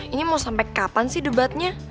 ini mau sampai kapan sih debatnya